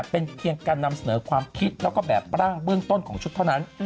เป็นเพียงการนำเสนอความคิดแล้วก็แบบร่างเบื้องต้นของชุดเท่านั้น